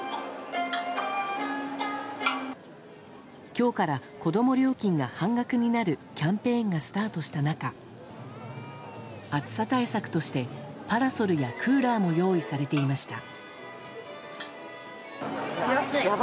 今日から子供料金が半額になるキャンペーンがスタートした中暑さ対策としてパラソルやクーラーも用意されていました。